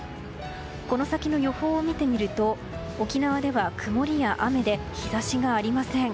この先の予報を見てみると沖縄では曇りや雨で日差しがありません。